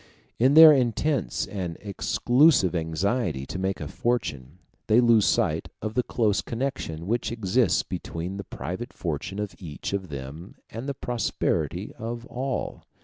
In their intense and exclusive anxiety to make a fortune, they lose sight of the close connection which exists between the private fortune of each of them and the prosperity of all.